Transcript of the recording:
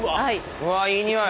うわいい匂い！